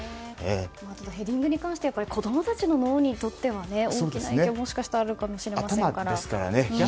ヘディングに関しては子供たちの脳にとっては大きな影響がもしかしたらあるかもしれませんから。